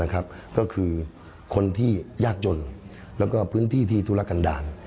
ก็คือคนที่ยากจนแล้วก็พื้นที่ที่ธุรกันดาล